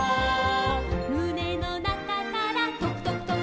「むねのなかからとくとくとく」